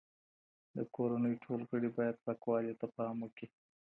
د کورنۍ ټول غړي باید پاکوالي ته پام وکړي.